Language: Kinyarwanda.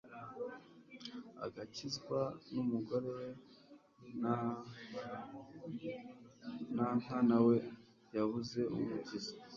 agakizwa n'umugore we nankana we yabuze umukiza